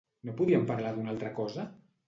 No podríem parlar d'una altra cosa?